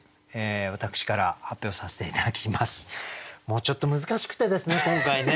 もうちょっと難しくてですね今回ね。